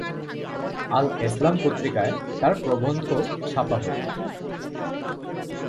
আল-এসলাম পত্রিকায় তার প্রবন্ধ ছাপা হত।